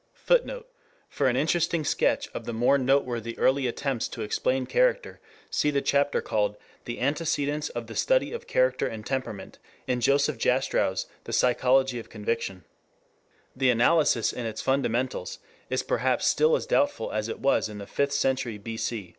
[Footnote: For an interesting sketch of the more noteworthy early attempts to explain character, see the chapter called "The Antecedents of the Study of Character and Temperament," in Joseph Jastrow's The Psychology of Conviction.] The analysis in its fundamentals is perhaps still as doubtful as it was in the fifth century B. C.